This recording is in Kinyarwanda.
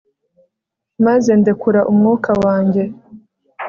maze ndekura umwuka wanjye